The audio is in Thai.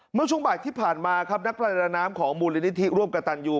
เมื่อช่วงบ่ายที่ผ่านมาครับนักประดาน้ำของมูลนิธิร่วมกับตันยู